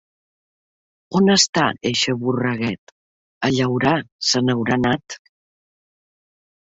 On està eixe borreguet? A llaurar se n’haurà anat.